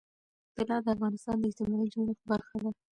طلا د افغانستان د اجتماعي جوړښت برخه ده.